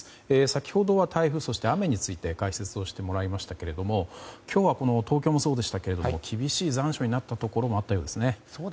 先ほどは台風そして雨について解説をしてもらいましたが今日は東京もそうでしたけど厳しい残暑になったところもあったようですね。